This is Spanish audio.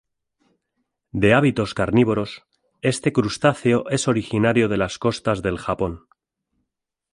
De hábitos carnívoros, este crustáceo es originario de las costas del Japón.